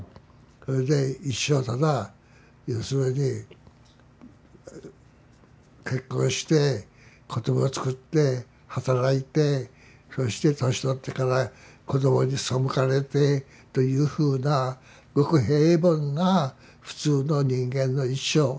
それで一生ただ要するに結婚して子どもつくって働いてそして年取ってから子どもに背かれてというふうなごく平凡な普通の人間の一生。